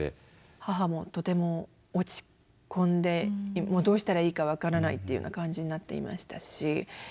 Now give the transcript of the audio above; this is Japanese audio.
母もとても落ち込んでもうどうしたらいいか分からないっていうような感じになっていましたし。